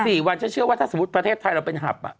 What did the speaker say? สี่วันฉันเชื่อว่าถ้าสมมุติประเทศไทยเราเป็นหับอ่ะ